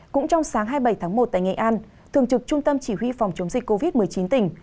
cũng trong sáng hai mươi bảy tháng một tại nghệ an thường trực trung tâm chỉ huy phòng chống dịch covid một mươi chín tỉnh